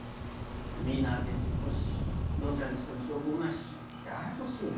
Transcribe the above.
身投げ事故死どちらにしても証拠もないしややこしいな。